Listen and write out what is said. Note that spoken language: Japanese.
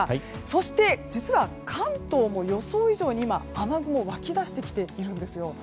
そして、実は関東も予想以上に今、雨雲が湧き出しているんです。